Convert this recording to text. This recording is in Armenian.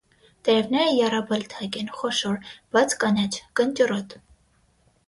Տերևները եռաբլթակ են, խոշոր, բաց կանաչ, կնճռոտ։